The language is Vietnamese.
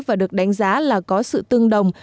và được đánh giá là có sự tương đồng